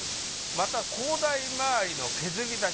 また高台周りの削り出し。